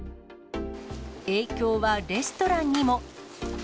影響はレストランにも。